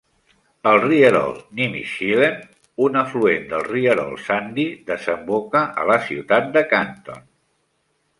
El rierol Nimishillen, un afluent del rierol Sandy, desemboca a la ciutat de Canton.